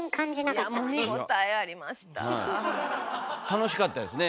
楽しかったですね。